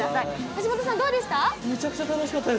橋本さん、どうでした？